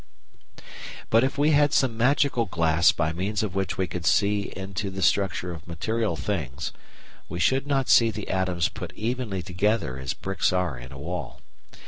] But if we had some magical glass by means of which we could see into the structure of material things, we should not see the atoms put evenly together as bricks are in a wall.